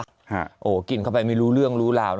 โอ้โหกินเข้าไปไม่รู้เรื่องรู้ราวนะ